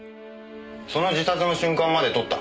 その自殺の瞬間まで撮った。